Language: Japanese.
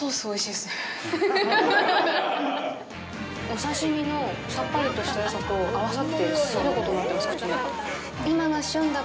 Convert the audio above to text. お刺身のさっぱりとしたよさと合わさってすごいことになってます、口の中。